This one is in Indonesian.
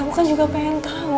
aku kan juga pengen tahu